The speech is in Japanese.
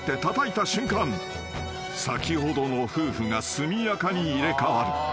先ほどの夫婦が速やかに入れ替わる］